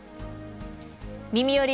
「みみより！